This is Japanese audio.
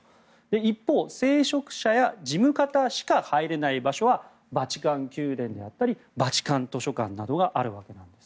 一方、聖職者や事務方しか入れない場所はバチカン宮殿やバチカン図書館などがあります。